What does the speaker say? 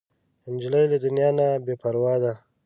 نجلۍ له دنیا نه بې پروا ده.